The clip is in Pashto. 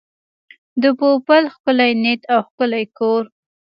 د پوپل ښکلی نیت او ښکلی کور.